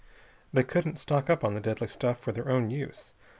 They couldn't stock up on the deadly stuff for their own use.